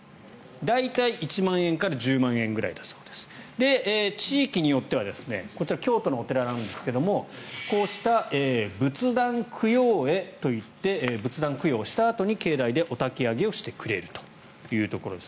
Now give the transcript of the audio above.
大体、１万円から１０万円くらいだそうです。地域によってはこちら、京都のお寺なんですがこうした仏壇供養会といって仏壇供養をしたあとに境内でおたき上げをしてくれるというところです。